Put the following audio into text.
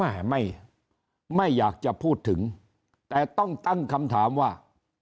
ล่าสุดเนี่ยไม่อยากจะพูดถึงแต่ต้องตั้งคำถามว่า